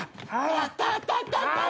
やった！